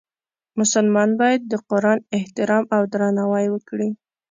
مسلمان باید د قرآن احترام او درناوی وکړي.